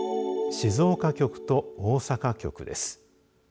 静岡局と大阪局です。